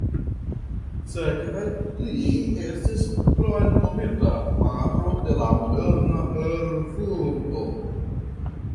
Sekve li estis kromnomita "patro de la moderna Erfurto".